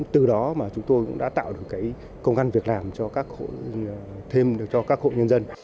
từ đó mà chúng tôi cũng đã tạo được công găn việc làm thêm cho các hộ nhân dân